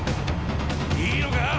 いいのか？